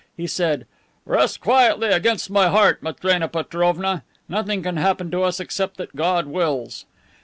He said, "Rest quietly against my heart, Matrena Petrovna. Nothing can happen to us except what God wills."